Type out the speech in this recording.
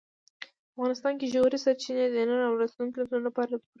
افغانستان کې ژورې سرچینې د نن او راتلونکي نسلونو لپاره پوره ارزښت لري.